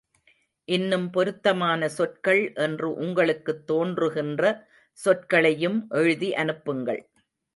இன்னும் பொருத்தமான சொற்கள் என்று உங்களுக்குத் தோன்றுகின்ற சொற்களையும் எழுதி அனுப்புங்கள்.